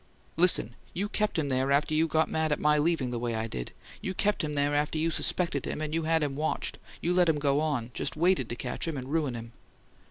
"Listen: you kept him there after you got mad at my leaving the way I did. You kept him there after you suspected him; and you had him watched; you let him go on; just waited to catch him and ruin him!"